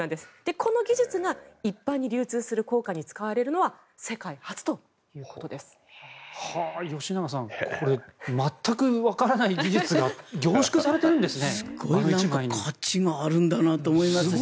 この技術が一般に流通する硬貨に使われるのは吉永さんこれ全くわからない技術があの１枚に凝縮されてるんですね。